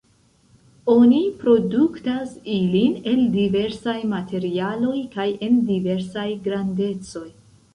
Oni produktas ilin el diversaj materialoj kaj en diversaj grandecoj.